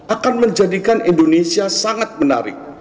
akan menjadikan indonesia sangat menarik